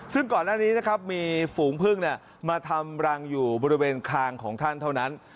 ซึ่งก่อนหน้านี้นะครับมีฝูงพึ่งมาทำรังอยู่บริเวณคางของท่านเท่านั้น